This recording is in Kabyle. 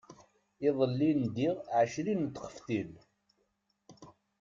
Iḍelli ndiɣ ɛecrin n tfextin.